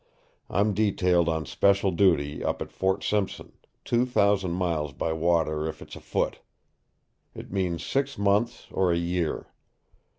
I'm detailed on special duty up at Fort Simpson, two thousand miles by water if it's a foot! It means six months or a year.